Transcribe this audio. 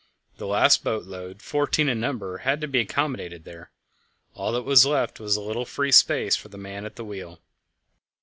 The last boat load, fourteen in number, had to be accommodated there. All that was left was a little free space for the man at the wheel.